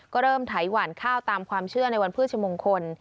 ก็เริ่มไถหวานข้าวตามความเชื่อในวันพฤชมงคล